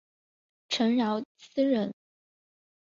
陈尧咨人。